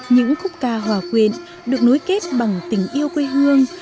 những khúc ca hòa quyện được nối kết bằng tình yêu quê hương